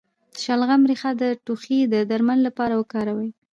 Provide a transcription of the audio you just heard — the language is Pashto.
د شلغم ریښه د ټوخي د درملنې لپاره وکاروئ